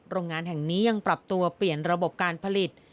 โรงงานแห่งนี้ยังปรับตัวเปลี่ยนระบบการผลิต